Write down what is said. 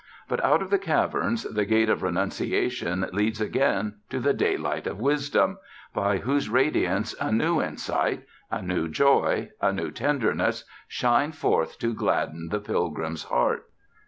But out of the cavern the Gate of Renunciation leads again to the daylight of wisdom, by whose radiance a new insight, a new joy, a new tenderness, shine forth to gladden the pilgrim's heart.